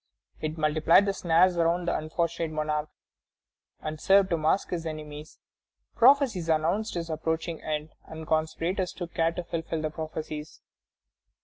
It multiplied the snares around the unfortunate monarch, and served to mask his enemies. Prophecies announced his approaching end, and conspirators took care to fulfil the prophecies.